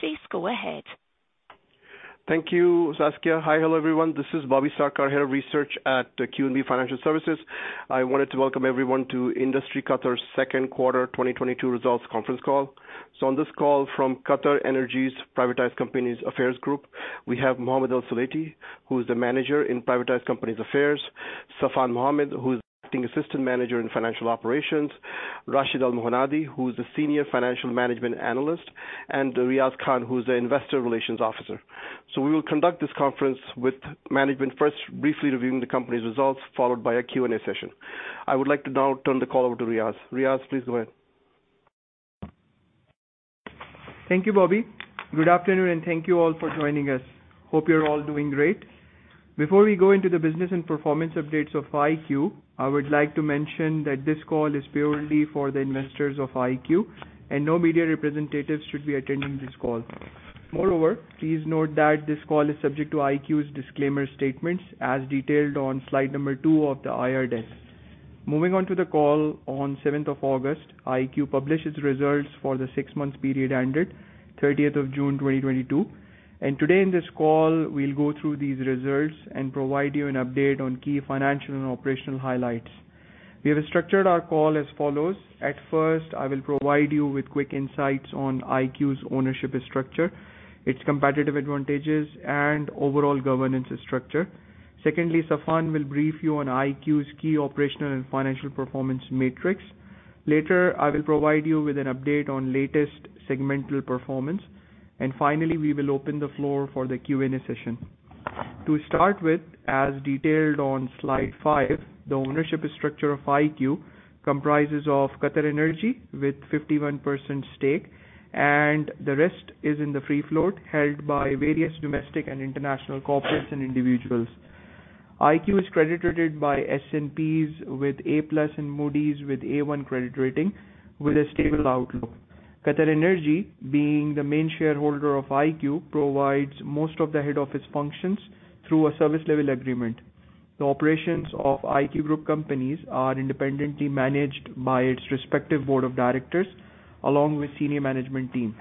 Please go ahead. Thank you, Saskia. Hi. Hello, everyone. This is Bobby Sarkar here, research at QNB Financial Services. I wanted to welcome everyone to Industries Qatar's second quarter 2022 results conference call. On this call from QatarEnergy's Privatized Companies Affairs Group, we have Mohammed Al-Sulaiti, who is the Manager in Privatized Companies Affairs, Saffan Mohammed, who is the acting Assistant Manager in financial operations, Rashid Al-Mohannadi, who is the Senior Financial Management Analyst, and Riaz Khan, who is the Investor Relations Officer. We will conduct this conference with management first briefly reviewing the company's results, followed by a Q&A session. I would like to now turn the call over to Riaz. Riaz, please go ahead. Thank you, Bobby. Good afternoon, and thank you all for joining us. Hope you're all doing great. Before we go into the business and performance updates of IQ, I would like to mention that this call is purely for the investors of IQ, and no media representatives should be attending this call. Moreover, please note that this call is subject to IQ's disclaimer statements as detailed on slide number two of the IR deck. Moving on to the call, on the seventh of August, IQ published its results for the six-month period ended 30 of June 2022. Today in this call, we'll go through these results and provide you an update on key financial and operational highlights. We have structured our call as follows. At first, I will provide you with quick insights on IQ's ownership structure, its competitive advantages, and overall governance structure. Secondly, Saffan will brief you on IQ's key operational and financial performance metrics. Later, I will provide you with an update on latest segmental performance. Finally, we will open the floor for the Q&A session. To start with, as detailed on slide five, the ownership structure of IQ comprises of QatarEnergy with 51% stake. The rest is in the free float held by various domestic and international corporates and individuals. IQ is credit rated by S&P with A+ and Moody's with A.1 credit rating with a stable outlook. QatarEnergy, being the main shareholder of IQ, provides most of the head office functions through a service level agreement. The operations of IQ group companies are independently managed by its respective board of directors along with senior management team.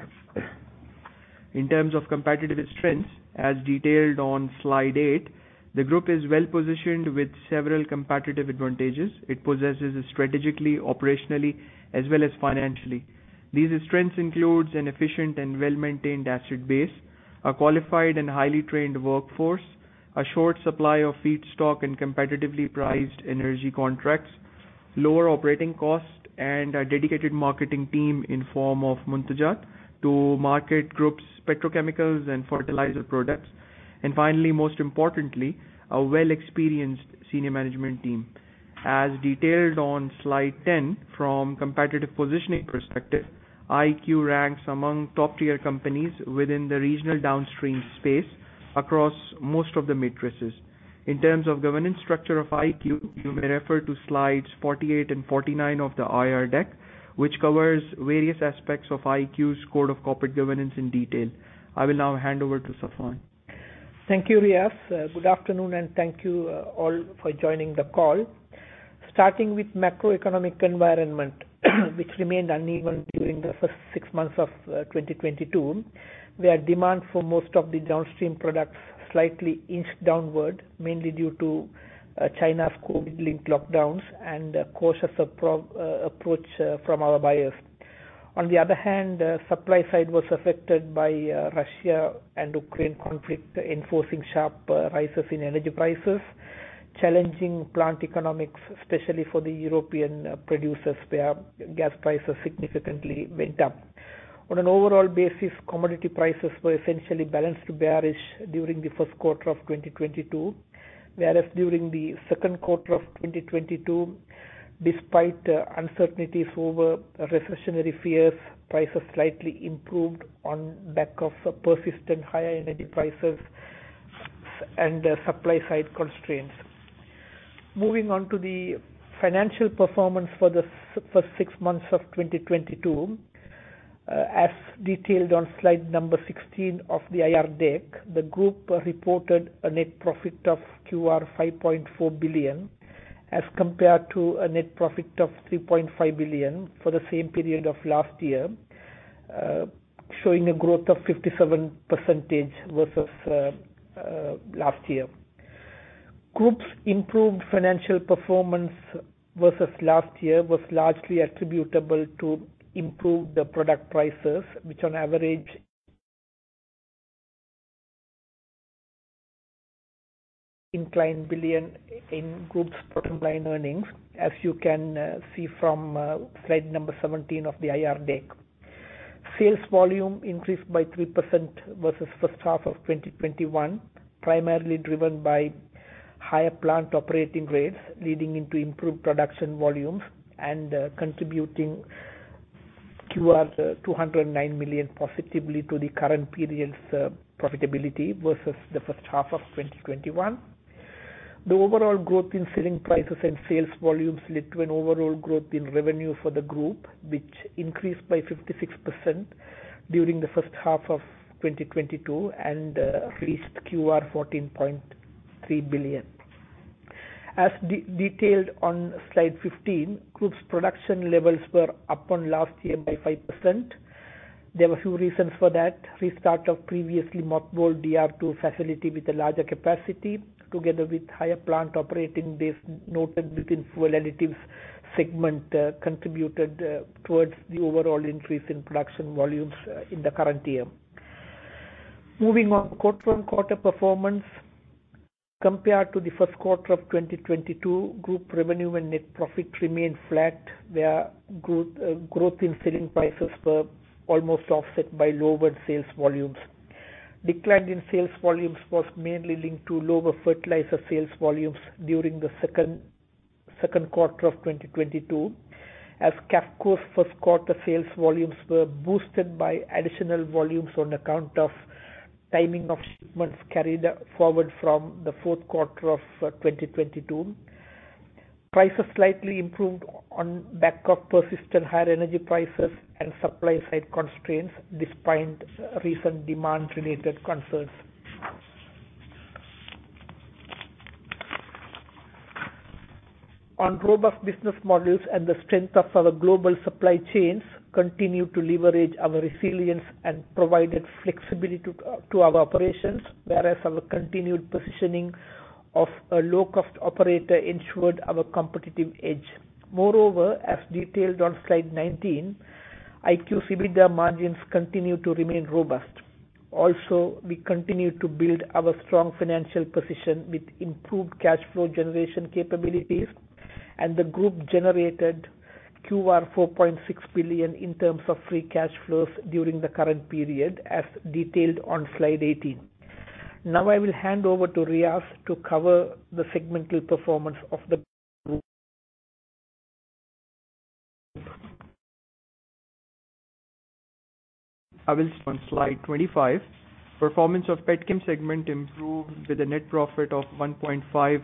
In terms of competitive strengths, as detailed on slide eight, the group is well-positioned with several competitive advantages it possesses strategically, operationally, as well as financially. These strengths include an efficient and well-maintained asset base, a qualified and highly trained workforce, a short supply of feedstock and competitively priced energy contracts, lower operating costs, and a dedicated marketing team in form of Muntajat to market group's petrochemicals and fertilizer products. Finally, most importantly, a well-experienced senior management team. As detailed on slide 10, from competitive positioning perspective, IQ ranks among top-tier companies within the regional downstream space across most of the matrices. In terms of governance structure of IQ, you may refer to slides 48 and 49 of the IR deck, which covers various aspects of IQ's code of corporate governance in detail. I will now hand over to Safwan. Thank you, Riaz. Good afternoon. Thank you all for joining the call. Starting with macroeconomic environment which remained uneven during the first six months of 2022, where demand for most of the downstream products slightly inched downward, mainly due to China's COVID-linked lockdowns and cautious approach from our buyers. On the other hand, supply side was affected by Russia and Ukraine conflict, enforcing sharp rises in energy prices, challenging plant economics, especially for the European producers where gas prices significantly went up. On an overall basis, commodity prices were essentially balanced bearish during the first quarter of 2022, whereas during the second quarter of 2022, despite uncertainties over recessionary fears, prices slightly improved on back of persistent higher energy prices and supply-side constraints. Moving on to the financial performance for the first six months of 2022. As detailed on slide number 16 of the IR deck, the group reported a net profit of 5.4 billion, as compared to a net profit of 3.5 billion for the same period of last year, showing a growth of 57% versus last year. Group's improved financial performance versus last year was largely attributable to improved product prices, which on average incline billion in group's bottom line earnings, as you can see from slide number 17 of the IR deck. Sales volume increased by 3% versus first half of 2021, primarily driven by higher plant operating rates, leading into improved production volumes and contributing 209 million positively to the current period's profitability versus the first half of 2021. The overall growth in selling prices and sales volumes led to an overall growth in revenue for the group, which increased by 56% during the first half of 2022 and reached 14.3 billion. As detailed on Slide 15, group's production levels were up on last year by 5%. There were a few reasons for that. Restart of previously mothballed DR2 facility with a larger capacity, together with higher plant operating days noted within fuel additives segment, contributed towards the overall increase in production volumes in the current year. Moving on. Quarter-on-quarter performance. Compared to the first quarter of 2022, group revenue and net profit remained flat, where growth in selling prices were almost offset by lower sales volumes. Decline in sales volumes was mainly linked to lower fertilizer sales volumes during the second quarter of 2022, as Qafco's first quarter sales volumes were boosted by additional volumes on account of timing of shipments carried forward from the fourth quarter of 2022. Prices slightly improved on the back of persistent higher energy prices and supply side constraints despite recent demand related concerns. On robust business models and the strength of our global supply chains continue to leverage our resilience and provided flexibility to our operations. Whereas our continued positioning of a low-cost operator ensured our competitive edge. Moreover, as detailed on Slide 19, IQ EBITDA margins continue to remain robust. Also, we continue to build our strong financial position with improved cash flow generation capabilities, and the group generated 4.6 billion in terms of free cash flows during the current period, as detailed on Slide 18. Now I will hand over to Riaz to cover the segmental performance of the group. I will start on Slide 25. Performance of Petchem segment improved with a net profit of 1.5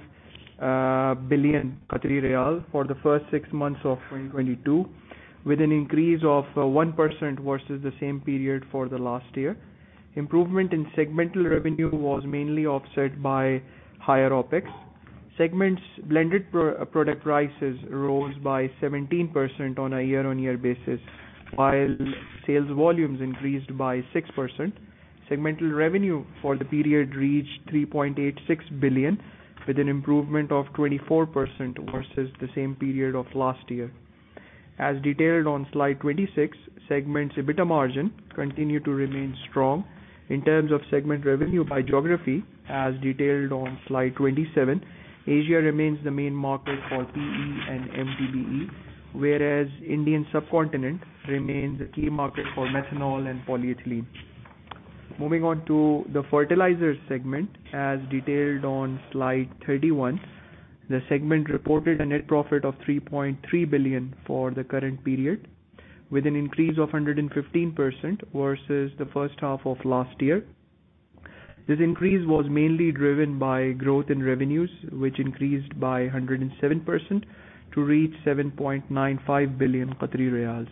billion Qatari riyal for the first six months of 2022, with an increase of 1% versus the same period for the last year. Improvement in segmental revenue was mainly offset by higher OPEX. Segment's blended product prices rose by 17% on a year-on-year basis, while sales volumes increased by 6%. Segmental revenue for the period reached 3.86 billion, with an improvement of 24% versus the same period of last year. As detailed on Slide 26, segment's EBITDA margin continue to remain strong. In terms of segment revenue by geography, as detailed on Slide 27, Asia remains the main market for PE and LDPE, whereas Indian subcontinent remains a key market for methanol and polyethylene. Moving on to the fertilizers segment, as detailed on Slide 31. The segment reported a net profit of 3.3 billion for the current period, with an increase of 115% versus the first half of last year. This increase was mainly driven by growth in revenues, which increased by 107% to reach 7.95 billion Qatari riyals.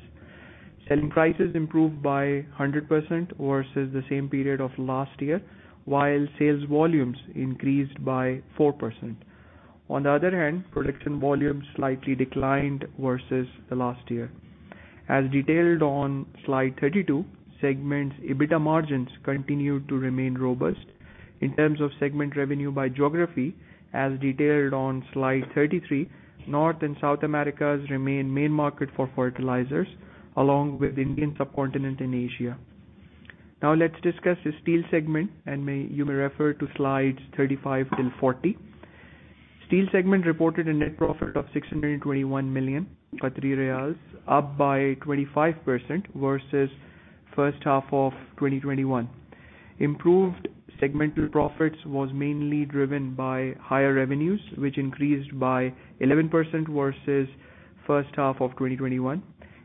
Selling prices improved by 100% versus the same period of last year, while sales volumes increased by 4%. On the other hand, production volumes slightly declined versus the last year. As detailed on Slide 32, segment's EBITDA margins continued to remain robust. In terms of segment revenue by geography, as detailed on Slide 33, North and South Americas remain main market for fertilizers, along with Indian subcontinent and Asia. Now let's discuss the steel segment, and you may refer to Slides 35-40. Steel segment reported a net profit of 621 million, up by 25% versus first half of 2021. Improved segmental profits was mainly driven by higher revenues, which increased by 11% versus first half of 2021.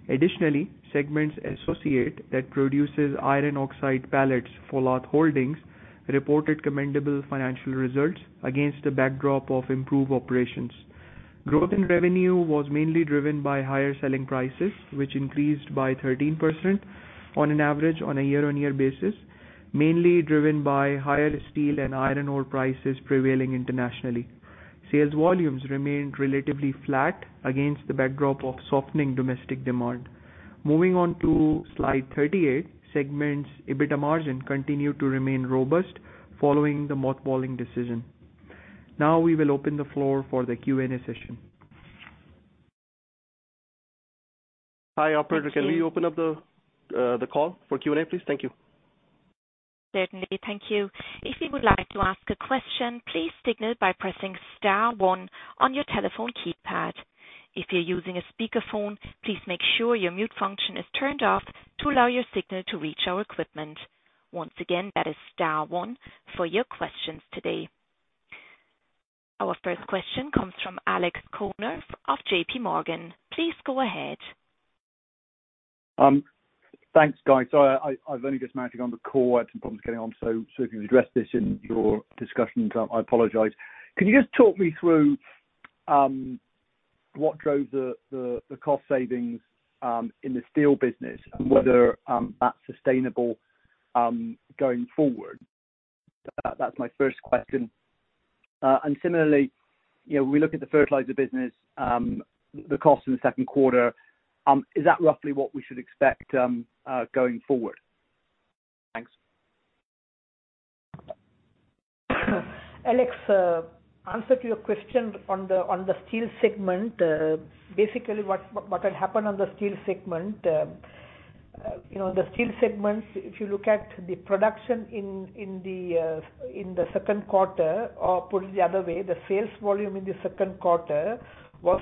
Additionally, segment's associate that produces iron oxide pellets for Lat Holdings reported commendable financial results against the backdrop of improved operations. Growth in revenue was mainly driven by higher selling prices, which increased by 13% on an average on a year-on-year basis, mainly driven by higher steel and iron ore prices prevailing internationally. Sales volumes remained relatively flat against the backdrop of softening domestic demand. Moving on to Slide 38, segment's EBITDA margin continued to remain robust following the mothballing decision. Now we will open the floor for the Q&A session. Hi, operator. Thank you. Can we open up the call for Q&A, please? Thank you. Certainly. Thank you. If you would like to ask a question, please signal by pressing star one on your telephone keypad. If you're using a speakerphone, please make sure your mute function is turned off to allow your signal to reach our equipment. Once again, that is star one for your questions today. Our first question comes from Alex Korenev of JPMorgan. Please go ahead. Thanks, guys. I've only just managed to get on the call. I had some problems getting on, if you addressed this in your discussions, I apologize. Can you just talk me through What drove the cost savings in the steel business and whether that's sustainable going forward? That's my first question. Similarly, we look at the fertilizer business, the cost in the second quarter, is that roughly what we should expect going forward? Thanks. Alex, answer to your question on the steel segment. Basically, what had happened on the steel segment. The steel segment, if you look at the production in the second quarter, or put it the other way, the sales volume in the second quarter is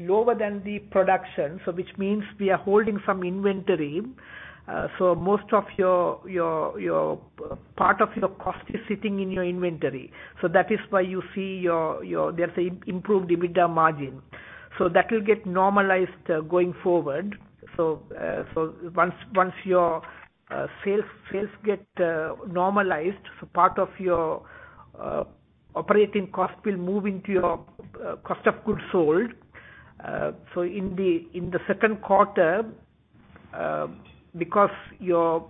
lower than the production, which means we are holding some inventory. Most of part of your cost is sitting in your inventory. That is why you see there's improved EBITDA margin. That will get normalized going forward. Once your sales get normalized, part of your operating cost will move into your cost of goods sold. In the second quarter, because your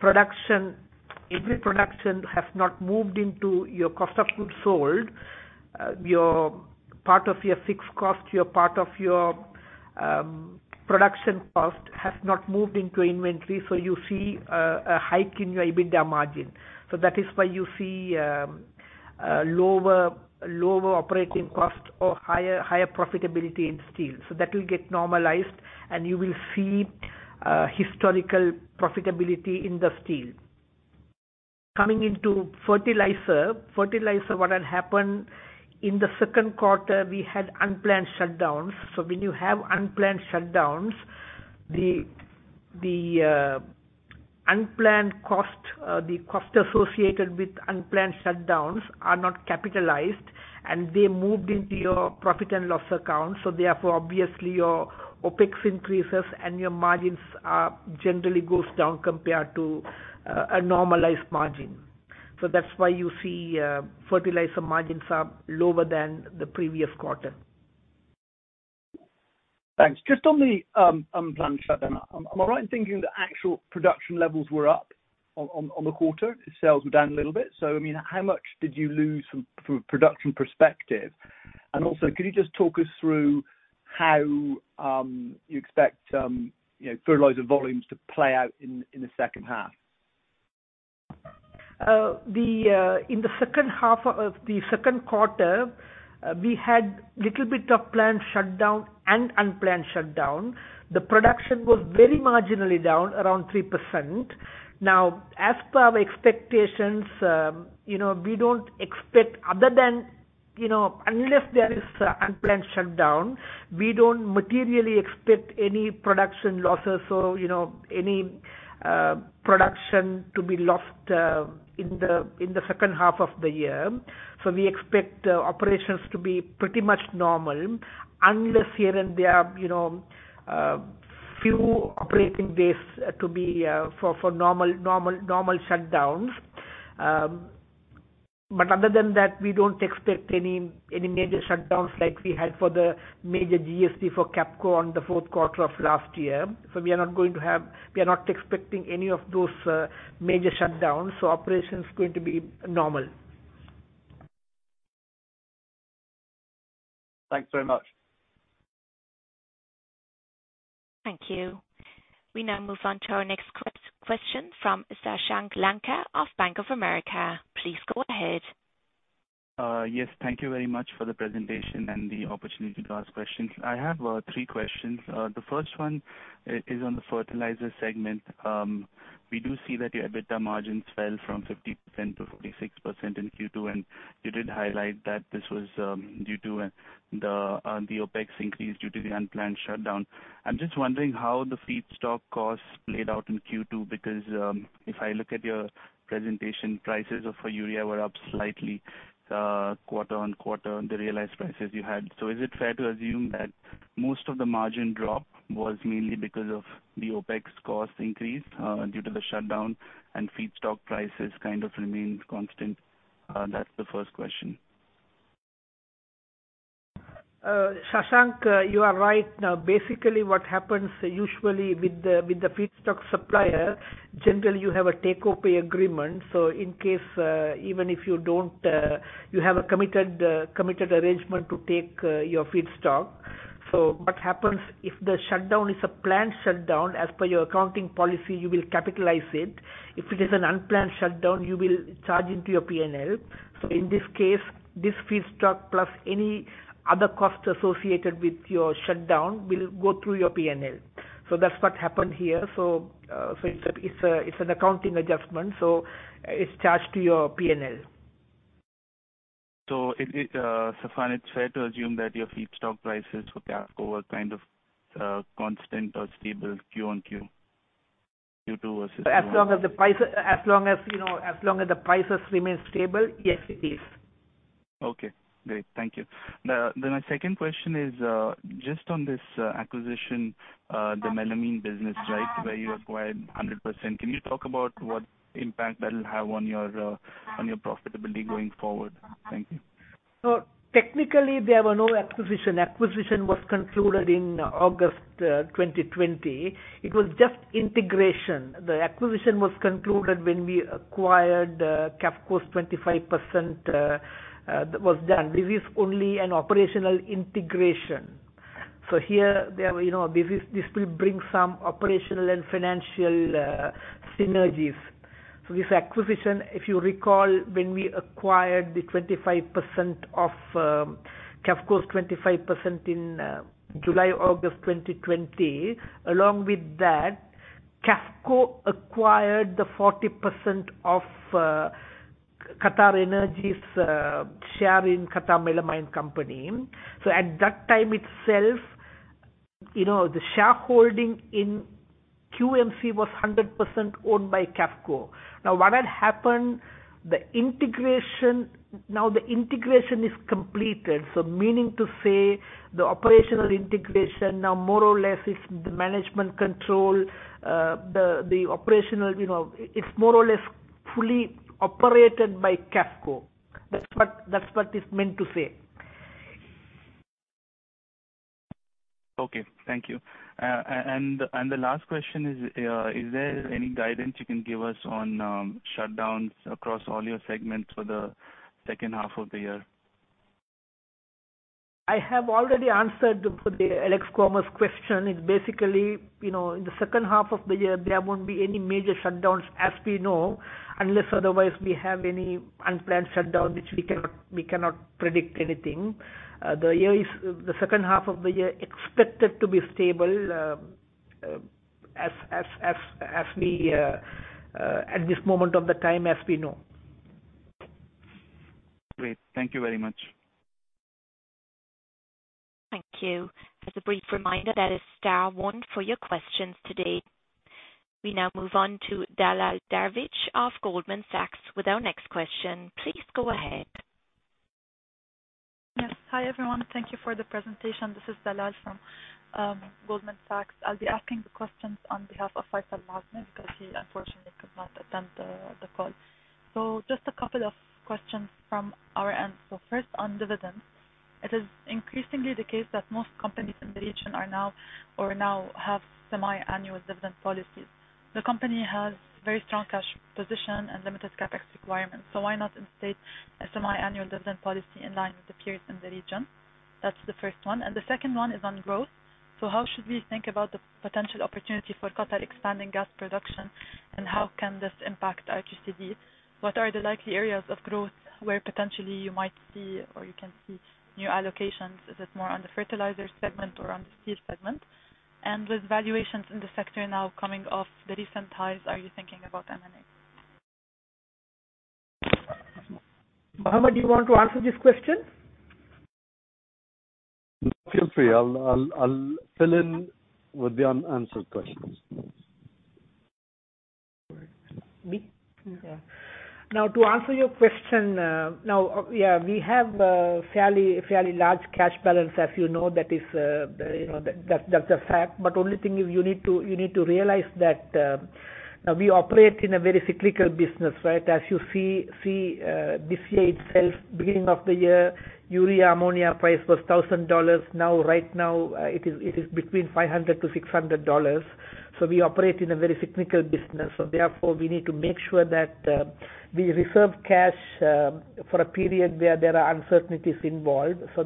production has not moved into your cost of goods sold, your part of your fixed cost, your part of your production cost has not moved into inventory, you see a hike in your EBITDA margin. That is why you see lower operating cost or higher profitability in steel. That will get normalized and you will see historical profitability in the steel. Coming into fertilizer, what had happened in the second quarter, we had unplanned shutdowns. When you have unplanned shutdowns, the unplanned cost, the cost associated with unplanned shutdowns are not capitalized and they moved into your profit and loss account. Therefore, obviously, your OPEX increases and your margins generally goes down compared to a normalized margin. That's why you see fertilizer margins are lower than the previous quarter. Thanks. Just on the unplanned shutdown. Am I right in thinking the actual production levels were up on the quarter? Sales were down a little bit. How much did you lose from production perspective? Could you just talk us through how you expect fertilizer volumes to play out in the second half? In the second half of the second quarter, we had little bit of planned shutdown and unplanned shutdown. The production was very marginally down, around 3%. As per our expectations, unless there is unplanned shutdown, we don't materially expect any production losses. Any production to be lost in the second half of the year. We expect operations to be pretty much normal unless here and there few operating days to be for normal shutdowns. Other than that, we don't expect any major shutdowns like we had for the major GSD for Qafco on the fourth quarter of last year. We are not expecting any of those major shutdowns, so operations going to be normal. Thanks very much. Thank you. We now move on to our next question from Shashank Lanka of Bank of America. Please go ahead. Yes, thank you very much for the presentation and the opportunity to ask questions. I have three questions. The first one is on the fertilizer segment. We do see that your EBITDA margins fell from 50% to 46% in Q2, and you did highlight that this was due to the OPEX increase due to the unplanned shutdown. I'm just wondering how the feedstock costs played out in Q2, because if I look at your presentation, prices for urea were up slightly quarter-on-quarter on the realized prices you had. Is it fair to assume that most of the margin drop was mainly because of the OPEX cost increase due to the shutdown and feedstock prices kind of remained constant? That's the first question. Shashank, you are right. Basically what happens usually with the feedstock supplier, generally you have a take-or-pay agreement. In case even if you don't, you have a committed arrangement to take your feedstock. What happens if the shutdown is a planned shutdown, as per your accounting policy, you will capitalize it. If it is an unplanned shutdown, you will charge into your P&L. In this case, this feedstock plus any other cost associated with your shutdown will go through your P&L. That's what happened here. It's an accounting adjustment, so it's charged to your P&L. Is it fair to assume that your feedstock prices for Qafco were kind of constant or stable Q-on-Q? Q2 versus Q1. As long as the prices remain stable, yes, it is. Okay, great. Thank you. My second question is just on this acquisition, the melamine business, right? Where you acquired 100%. Can you talk about what impact that'll have on your profitability going forward. Thank you. Technically, there were no acquisition. Acquisition was concluded in August 2020. It was just integration. The acquisition was concluded when we acquired Qafco's 25% was done. This is only an operational integration. Here, this will bring some operational and financial synergies. This acquisition, if you recall, when we acquired Qafco's 25% in July, August 2020, along with that, Qafco acquired the 40% of QatarEnergy's share in Qatar Melamine Company. At that time itself, the shareholding in QMC was 100% owned by Qafco. Now what had happened, now the integration is completed. Meaning to say the operational integration now more or less is the management control, it's more or less fully operated by Qafco. That's what it's meant to say. Okay. Thank you. The last question is there any guidance you can give us on shutdowns across all your segments for the second half of the year? I have already answered for Alex Cromer's question. It's basically, in the second half of the year, there won't be any major shutdowns as we know. Unless otherwise we have any unplanned shutdown, which we cannot predict anything. The second half of the year expected to be stable at this moment of the time as we know. Great. Thank you very much. Thank you. As a brief reminder, that is star one for your questions today. We now move on to Dalal Darwich of Goldman Sachs with our next question. Please go ahead. Yes. Hi, everyone. Thank you for the presentation. This is Dalal from Goldman Sachs. I will be asking the questions on behalf of Faisal Mazman because he unfortunately could not attend the call. Just a couple of questions from our end. First, on dividends, it is increasingly the case that most companies in the region now have semi-annual dividend policies. The company has very strong cash position and limited CapEx requirements. So why not instate a semi-annual dividend policy in line with the peers in the region? That is the first one. The second one is on growth. How should we think about the potential opportunity for Qatar expanding gas production, and how can this impact IQCD? What are the likely areas of growth where potentially you might see, or you can see new allocations? Is it more on the fertilizer segment or on the steel segment? With valuations in the sector now coming off the recent highs, are you thinking about M&A? Mohammed, do you want to answer this question? Feel free. I'll fill in with the unanswered questions. Me? Yeah. To answer your question, we have a fairly large cash balance as you know that's a fact, only thing is you need to realize that we operate in a very cyclical business, right? As you see this year itself, beginning of the year, urea ammonia price was $1,000. Right now, it is between $500 to $600. We operate in a very cyclical business. We need to make sure that we reserve cash for a period where there are uncertainties involved. All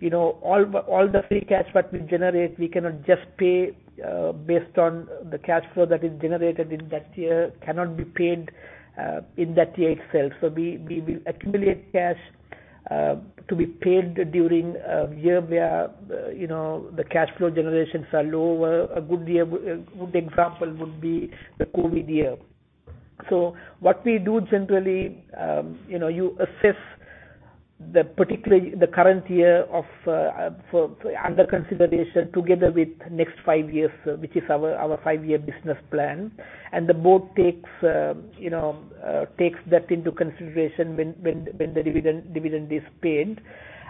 the free cash that we generate, we cannot just pay based on the cash flow that is generated in that year, cannot be paid in that year itself. We accumulate cash to be paid during a year where the cash flow generations are lower. A good example would be the COVID year. What we do generally, you assess the current year under consideration together with next 5 years, which is our 5-year business plan. The board takes that into consideration when the dividend is paid.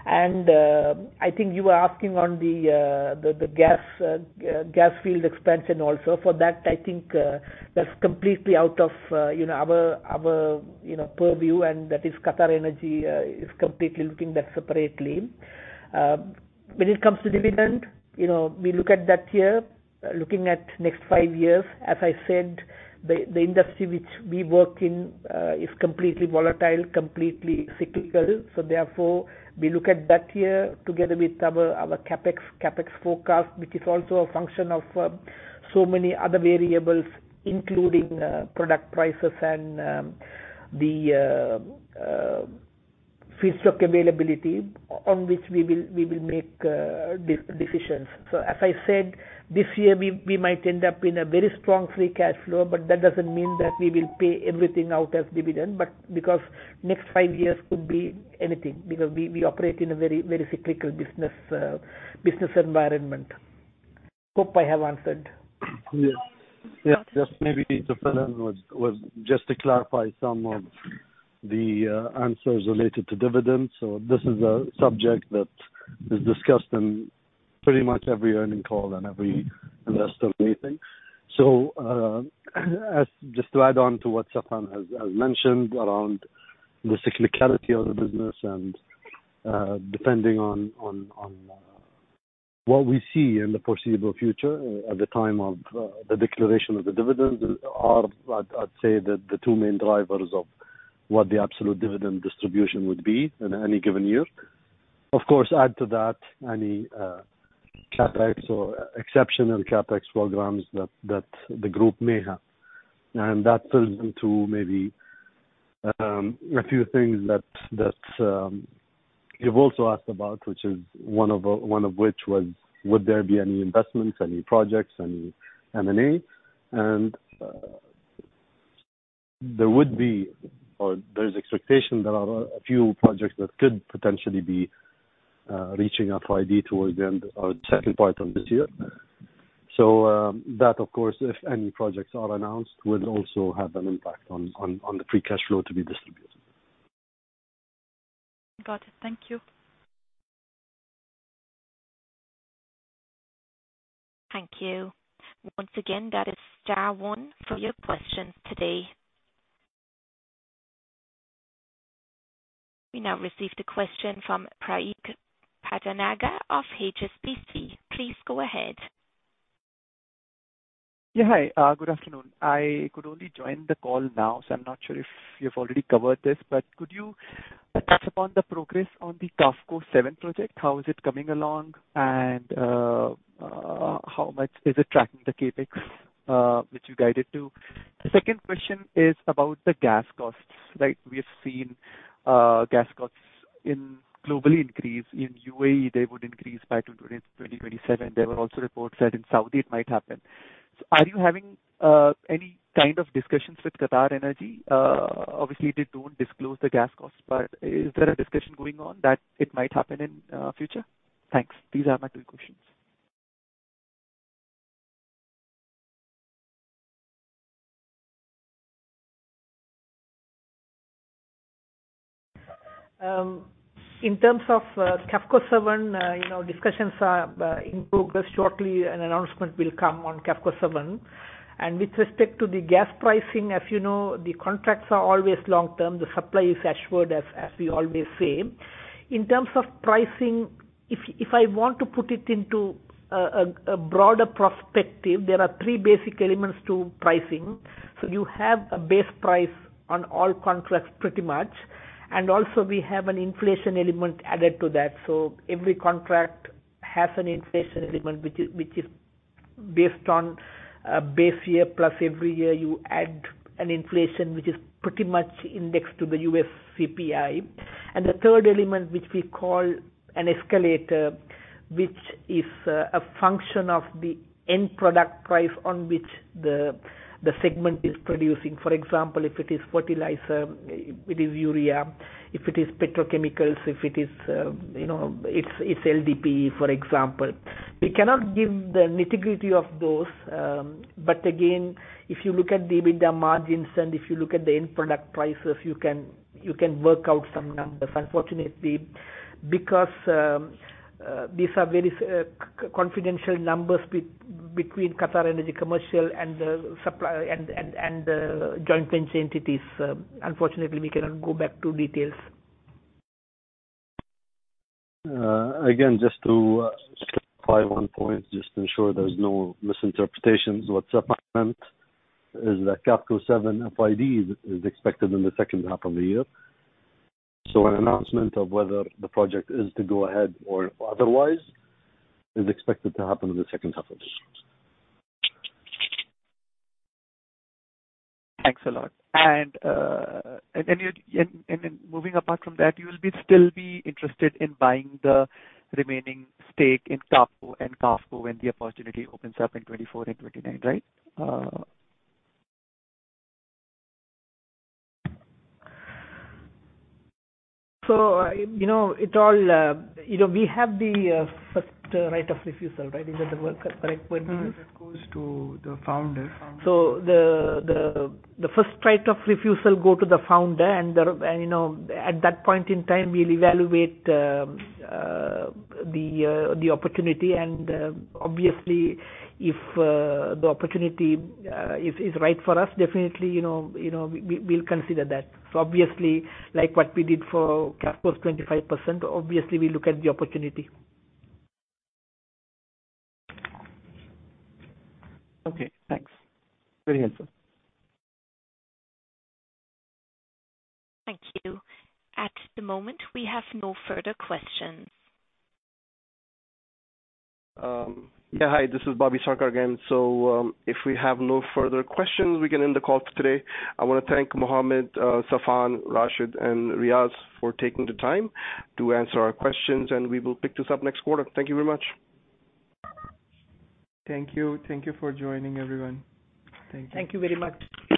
I think you were asking on the gas field expansion also. For that, I think that's completely out of our purview, and that is QatarEnergy is completely looking that separately. When it comes to dividend, we look at that year, looking at next 5 years. As I said, the industry which we work in is completely volatile, completely cyclical. We look at that year together with our CapEx forecast, which is also a function of so many other variables, including product prices and the feedstock availability on which we will make decisions. As I said, this year we might end up in a very strong free cash flow, but that doesn't mean that we will pay everything out as dividend, but because next five years could be anything, because we operate in a very cyclical business environment. Hope I have answered. Yes. Just maybe to fill in, just to clarify some of the answers related to dividends. This is a subject that is discussed in pretty much every earnings call and every investor meeting. Just to add on to what Safwan has mentioned around the cyclicality of the business and depending on what we see in the foreseeable future at the time of the declaration of the dividend are, I'd say, the two main drivers of what the absolute dividend distribution would be in any given year. Of course, add to that any exceptional CapEx programs that the group may have. That turns into maybe a few things that you've also asked about, one of which was would there be any investments, any projects, any M&A? There's expectation there are a few projects that could potentially be reaching FID towards the end or second part of this year. That, of course, if any projects are announced, would also have an impact on the free cash flow to be distributed. Got it. Thank you. Thank you. Once again, that is star one with your questions today. We now receive the question from Praek Pattanaga of HSBC. Please go ahead. Yeah. Hi, good afternoon. I could only join the call now, so I'm not sure if you've already covered this, but could you touch upon the progress on the Qafco 7 project? How is it coming along and how much is it tracking the CapEx, which you guided to? The second question is about the gas costs, right? We have seen gas costs globally increase. In U.A.E., they would increase by 2027. There were also reports that in Saudi it might happen. Are you having any kind of discussions with QatarEnergy? Obviously, they don't disclose the gas costs, but is there a discussion going on that it might happen in the future? Thanks. These are my two questions. In terms of Qafco 7, discussions are in progress. Shortly, an announcement will come on Qafco 7. With respect to the gas pricing, as you know, the contracts are always long-term. The supply is assured, as we always say. In terms of pricing, if I want to put it into a broader perspective, there are three basic elements to pricing. You have a base price on all contracts pretty much, and also we have an inflation element added to that. Every contract has an inflation element, which is based on a base year plus every year you add an inflation, which is pretty much indexed to the US CPI. The third element, which we call an escalator, which is a function of the end product price on which the segment is producing. For example, if it is fertilizer, it is urea. If it is petrochemicals, if it is LDPE, for example. We cannot give the nitty-gritty of those, but again, if you look at the EBITDA margins and if you look at the end product prices, you can work out some numbers. Unfortunately, because these are very confidential numbers between QatarEnergy Commercial and the joint venture entities, unfortunately, we cannot go back to details. Just to clarify one point, just to ensure there's no misinterpretations. What Safwan meant is that Qafco 7 FID is expected in the second half of the year. An announcement of whether the project is to go ahead or otherwise is expected to happen in the second half of this year. Thanks a lot. Moving apart from that, you'll still be interested in buying the remaining stake in Qapco and Qafco when the opportunity opens up in 2024 and 2029, right? We have the right of first refusal, right? Is that the correct word? That goes to the founder. The right of first refusal go to the founder, and at that point in time, we'll evaluate the opportunity, and obviously, if the opportunity is right for us, definitely, we'll consider that. Obviously, like what we did for Qafco's 25%, obviously, we'll look at the opportunity. Okay, thanks. Very helpful. Thank you. At the moment, we have no further questions. Yeah. Hi, this is Bobby Sarkar again. If we have no further questions, we can end the call today. I want to thank Mohammed, Safwan, Rashid, and Riaz for taking the time to answer our questions, and we will pick this up next quarter. Thank you very much. Thank you. Thank you for joining, everyone. Thank you. Thank you very much.